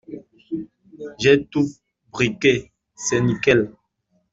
J’ai tout briqué, c’est nickel.